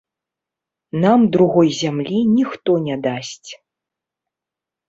Нам другой зямлі ніхто не дасць.